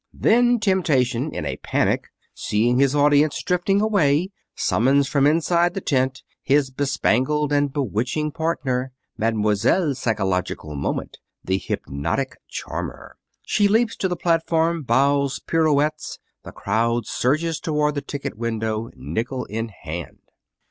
Then Temptation, in a panic, seeing his audience drifting away, summons from inside the tent his bespangled and bewitching partner, Mlle. Psychological Moment, the Hypnotic Charmer. She leaps to the platform, bows, pirouettes. The crowd surges toward the ticket window, nickel in hand.